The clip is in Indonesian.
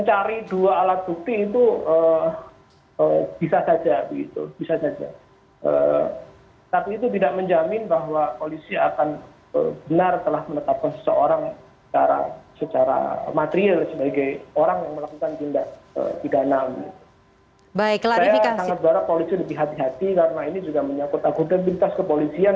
tapi saya kira ada banyak hal yang harus diklarifikasi oleh polisi